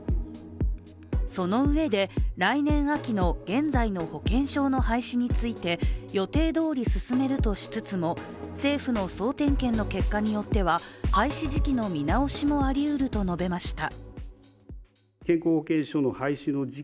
そのうえで、来年秋の現在の保険証の廃止について予定どおり進めるとしつつも政府の総点検の結果によっては廃止時期の見直しもありうると述べました。